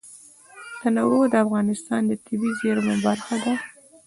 تنوع د افغانستان د طبیعي زیرمو برخه ده.